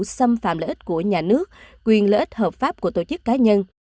xâm phạm lợi ích của nhà nước quyền lợi ích hợp pháp của tổ chức cá nhân